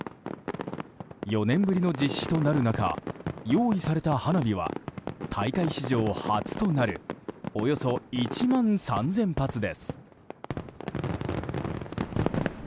４年ぶりの実施となる中用意された花火は大会史上初となるおよそ１万３０００発です。